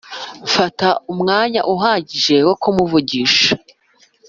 fata umwanya uhagije wo kumuvugisha